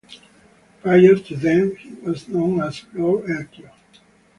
Prior to then he was known as Lord Elcho.